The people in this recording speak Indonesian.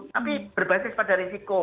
tapi berbasis pada risiko